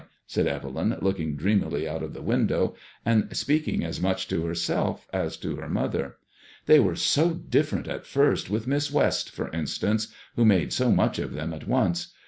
said Evelyn, looking dreamily out of the window, and speaking as much to herself as to her mother. " They were so different at first with Miss West, for instance, who made so much of them at once.